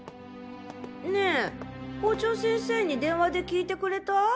ねぇ校長先生に電話で聞いてくれた？